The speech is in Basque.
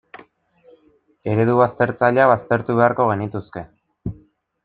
Eredu baztertzaileak baztertu beharko genituzke.